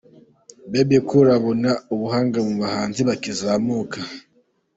Bebe Cool abona ubuhanga mu bahanzi bakizamuka .